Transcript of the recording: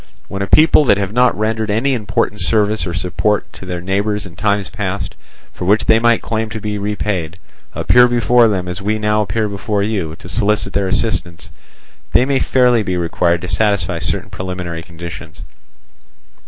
when a people that have not rendered any important service or support to their neighbours in times past, for which they might claim to be repaid, appear before them as we now appear before you to solicit their assistance, they may fairly be required to satisfy certain preliminary conditions.